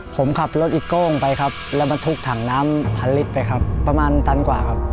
ผมขับรถอีโก้งไปครับแล้วบรรทุกถังน้ำพันลิตรไปครับประมาณตันกว่าครับ